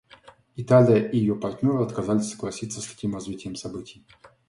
Италия и ее партнеры отказались согласиться с таким развитием событий.